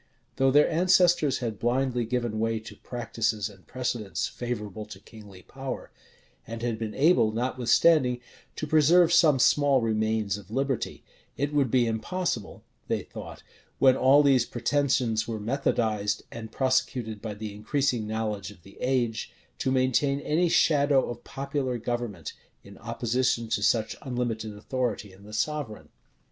Though their ancestors had blindly given way to practices and precedents favorable to kingly power, and had been able, notwithstanding, to preserve some small remains of liberty, it would be impossible, they thought, when all these pretensions were methodised, and prosecuted by the increasing knowledge of the age, to maintain any shadow of popular government, in opposition to such unlimited authority in the sovereign.